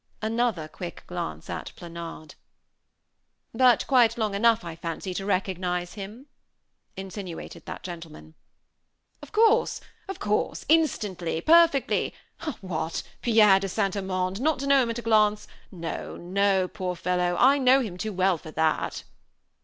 Another quick glance at Planard. "But quite long enough, I fancy, to recognize him?" insinuated that gentleman. "Of course of course; instantly perfectly. What! Pierre de St. Amand? Not know him at a glance? No, no, poor fellow, I know him too well for that."